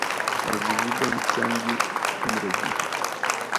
د عزیزي بانک څانګې څومره دي؟